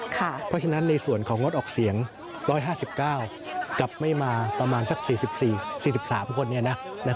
เพราะฉะนั้นในส่วนของงดออกเสียง๑๕๙กลับไม่มาประมาณสัก๔๓คน